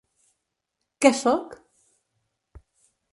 Què sóc?